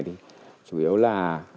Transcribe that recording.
thì chủ yếu là